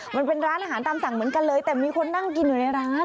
มันเป็นร้านอาหารตามสั่งเหมือนกันเลยแต่มีคนนั่งกินอยู่ในร้าน